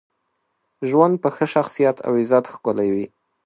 ژوند په ښه شخصیت او عزت ښکلی وي.